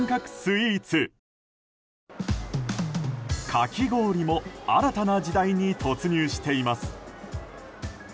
かき氷も新たな時代に突入しています。